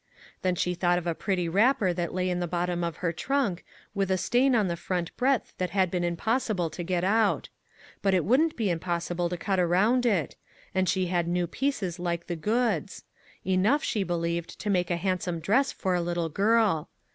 Then she thought of a pretty wrapper that lay in the bottom of her trunk, with a stain on the front breadth that it had been impossible to get out. But it wouldn't be impossible to cut around it ; and she had new pieces like the goods; enough, she believed, to make a handsome dress for a little girl.